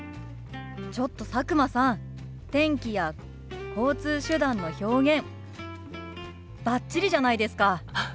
ちょっと佐久間さん天気や交通手段の表現バッチリじゃないですか！